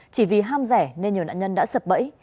chỉ vì ham rẻ nên nhiều nạn nhân đã sập bẫy